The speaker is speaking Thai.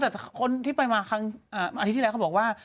แต่คนที่ไปมาครั้งอาทิตย์ที่แล้วเขาบอกว่า